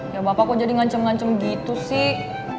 ya bapak kok jadi ngancem ngancem gitu sih